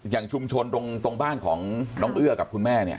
อย่างชุมชนตรงบ้านของน้องเอื้อกับคุณแม่เนี่ย